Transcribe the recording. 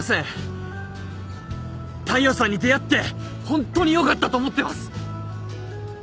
大陽さんに出会ってホントによかったと思ってます。